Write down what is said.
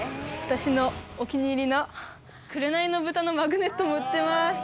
私のお気に入りの「紅の豚」のマグネットも売ってます